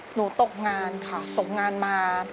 หนูตกงานค่ะตกงานมา